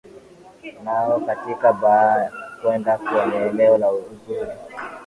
nao katika baa kwenda kwenye eneo la uzuri